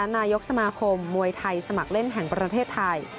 นายกสมาคมมวยไทยสมัครเล่นแห่งประเทศไทย